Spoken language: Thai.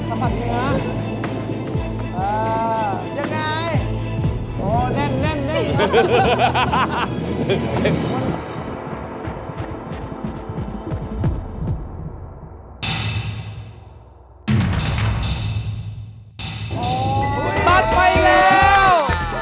มัดไปแล้ว